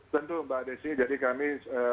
tentu mbak desi jadi kami